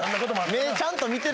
目ぇちゃんと見てるやろ！